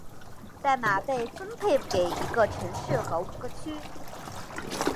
代码被分配给一个城市和五个区。